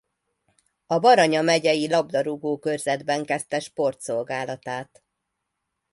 A Baranya megyei labdarúgó körzetben kezdte sportszolgálatát.